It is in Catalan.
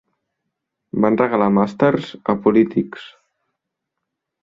Van regalar màsters a polítics